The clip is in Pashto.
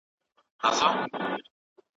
عربي ژبه فضيلت لرونکي او د قرآن ژبه ده.